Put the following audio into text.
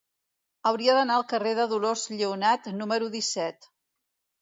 Hauria d'anar al carrer de Dolors Lleonart número disset.